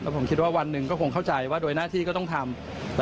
ผมคิดว่าวันหนึ่งก็คงเข้าใจว่าโดยหน้าที่ก็ต้องทำ